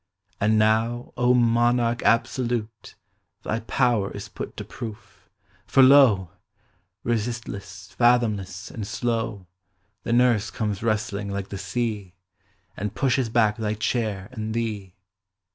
And now, O monarch absolute. Thy power is put to proof; for lo! Resistless, fathomless, and slow, The nurse comes rustling like the sea. And pushes back thy chair and thee.